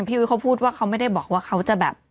พี่อุ๊ยเขาพูดว่าเขาไม่ได้บอกว่าเขาจะแบบ